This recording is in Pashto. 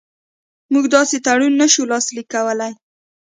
موږ داسې تړون نه شو لاسلیک کولای.